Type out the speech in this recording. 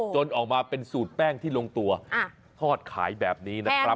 จนออกมาเป็นสูตรแป้งที่ลงตัวทอดขายแบบนี้นะครับ